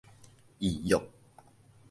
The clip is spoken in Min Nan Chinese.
預約